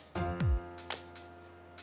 tohoo udah adem banget dragging